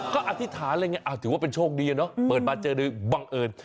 ก็อธิษฐานเลยไงถือว่าเป็นโชคดีอะเนาะเปิดมาเจอโดยบังเอิญ